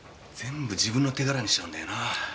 全部自分の手柄にしちゃうんだよな。